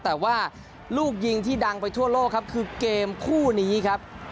แต่ว่าลูกยิงที่ดังไปทั่วโลกครับคือเกมคู่นี้ครับ